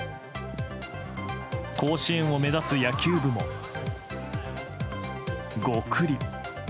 甲子園を目指す野球部も、ゴクリ。